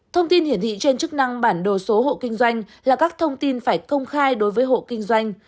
thông tin hiển thị trên chức năng bản đồ số hộ kinh doanh là các thông tin phải công khai đối với hộ kinh doanh